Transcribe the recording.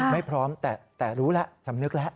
ไม่พร้อมแต่รู้แล้วสำนึกแล้ว